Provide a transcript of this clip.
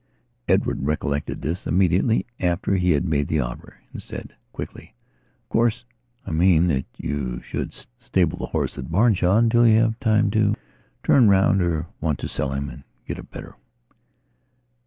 Edward recollected this, immediately after he had made the offer, and said quickly: "Of course I mean that you should stable the horse at Branshaw until you have time to turn round or want to sell him and get a better."